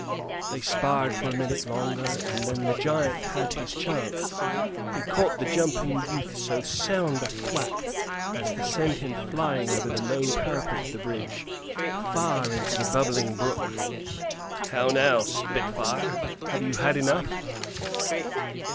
They sparred for a minute longer, and then the giant had his chance. He caught the jumping youth so sound a thwack as to send him flying over the low parapet of the bridge far into the bubbling brook. "How now, spitfire? Have you had enough?"